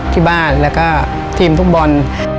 ที่บ้านแล้วก็ทีมฟุตบอล